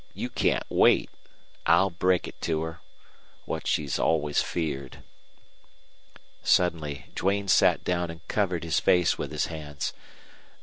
You can't wait. I'll break it to her what she always feared." Suddenly Duane sat down and covered his face with his hands.